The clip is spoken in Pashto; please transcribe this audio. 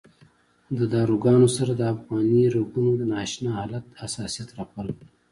د داروګانو سره د افغاني رګونو نا اشنا حالت حساسیت راپارولی.